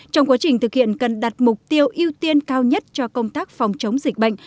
trong quá trình thực hiện cần đặt mục tiêu ưu tiên cao nhất cho công tác phòng chống dịch bệnh